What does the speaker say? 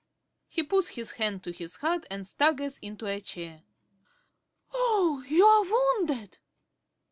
(He puts his hand to his heart and staggers into a chair.) ~Dorothy.~ Oh, you are wounded!